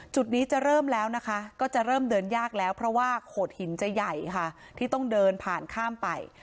จุดนี้จะเริ่มแล้วนะคะก็จะเริ่มเดินยากแล้วเพราะว่าโขดหินจะใหญ่ค่ะที่ต้องเดินผ่านข้ามไป